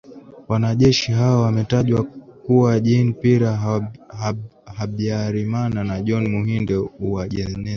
Wanajeshi hao wametajwa kuwa Jean Pierre Habyarimana Na John Muhindi Uwajeneza,